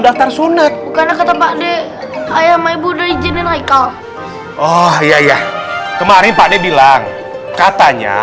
daftar sunat karena kata pakde ayam ibu dari jenis naikal oh iya kemarin pakde bilang katanya